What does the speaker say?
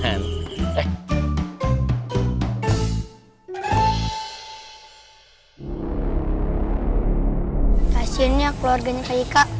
hasilnya keluarganya kak ika